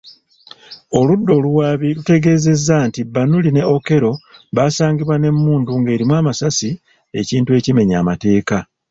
Oludda oluwaabi lutegeezezza nti Banuli ne Okello baasangibwa n'emmundu ng'erimu amasasi ekintu ekimenya amateeka.